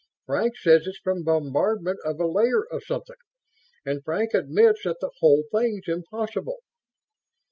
Frank says it's from bombardment of a layer of something, and Frank admits that the whole thing's impossible."